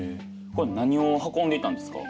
これは何を運んでいたんですか？